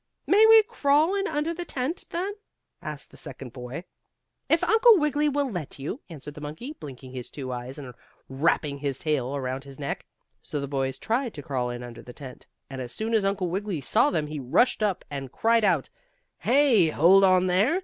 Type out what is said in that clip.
"May we crawl in under the tent, then?" asked the second boy. "If Uncle Wiggily will let you," answered the monkey, blinking his two eyes and wrapping his tail around his neck. So those boys tried to crawl in under the tent, and as soon as Uncle Wiggily saw them he rushed up and cried out: "Hey! Hold on there!